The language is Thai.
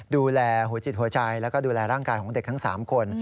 ดูแลหัวจิตหัวใจแล้วก็ดูแลร่างกายของเด็กทั้ง๓คน